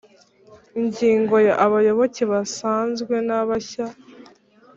Ingingo ya Abayoboke basanzwe nabashya